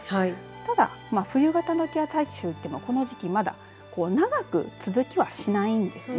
ただ冬型の気圧配置といってもこの時期まだ長く続きはしないんですね。